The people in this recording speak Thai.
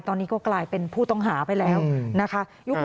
ตอนนี้ก็กลายเป็นผู้ต้องหาไปแล้วนะคะ